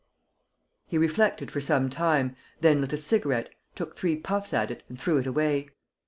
He reflected for some time, then lit a cigarette, took three puffs at it and threw it away.